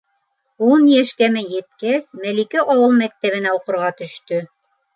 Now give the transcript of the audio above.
Ун йәшкәме еткәс, Мәликә ауыл мәктәбенә уҡырға төштө.